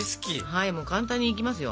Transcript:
はいもう簡単にいきますよ。